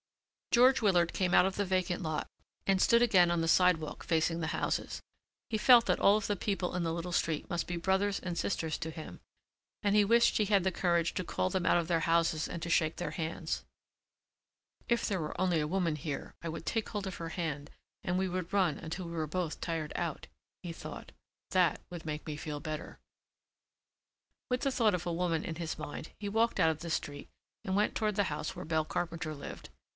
George Willard came out of the vacant lot and stood again on the sidewalk facing the houses. He felt that all of the people in the little street must be brothers and sisters to him and he wished he had the courage to call them out of their houses and to shake their hands. "If there were only a woman here I would take hold of her hand and we would run until we were both tired out," he thought. "That would make me feel better." With the thought of a woman in his mind he walked out of the street and went toward the house where Belle Carpenter lived.